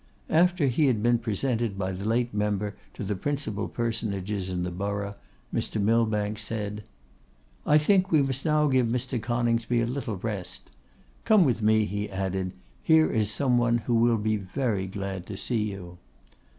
After he had been presented by the late member to the principal personages in the borough, Mr. Millbank said, 'I think we must now give Mr. Coningsby a little rest. Come with me,' he added, 'here is some one who will be very glad to see you.